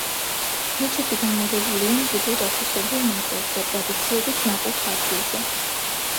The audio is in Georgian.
მეჩეთი განლაგებულია მჭიდროდ ათვისებულ ნაკვეთზე, ტრადიციებით ნაკურთხ ადგილზე.